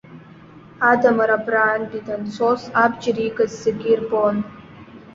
Адамыр абрантәи данцоз абџьар иикыз зегьы ирбон.